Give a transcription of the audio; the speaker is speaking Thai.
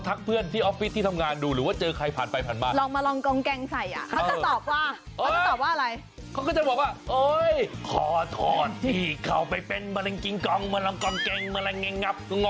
อันนี้คุณมั่วแล้วคุณมั่วแล้วภาษาอะไรของคุณ